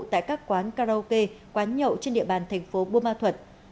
tại các quán karaoke quán nhậu trên địa bàn thành phố buôn ma thuật